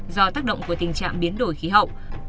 do tác động của tình trạng biến đổi khí hậu